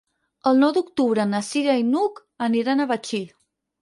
El nou d'octubre na Cira i n'Hug aniran a Betxí.